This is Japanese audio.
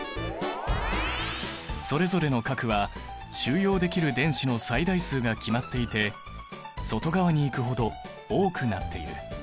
それぞれの殻は収容できる電子の最大数が決まっていて外側に行くほど多くなっている。